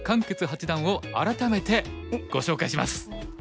傑八段を改めてご紹介します。